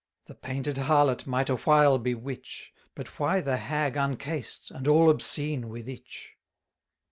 The painted harlot might a while bewitch, But why the hag uncased, and all obscene with itch?